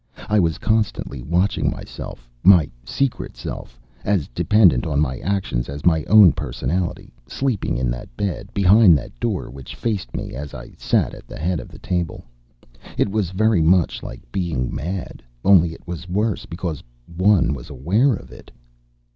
I was constantly watching myself, my secret self, as dependent on my actions as my own personality, sleeping in that bed, behind that door which faced me as I sat at the head of the table. It was very much like being mad, only it was worse because one was aware of it.